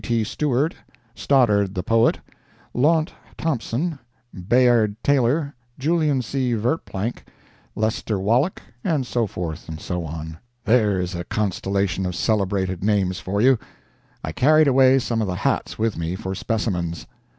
T. Stewart, Stoddard, the poet, Launt Thompson, Bayard Taylor, Julian C. Verplanck, Lester Wallack, and so forth and so on. There is a constellation of celebrated names for you! I carried away some of the hats with me for specimens.